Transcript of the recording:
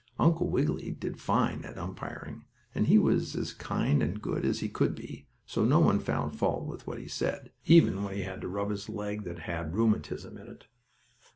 Uncle Wiggily did fine at umpiring, and he was as kind and good as could be, so no one found fault with what he said, even when he had to rub his leg that had rheumatism in it.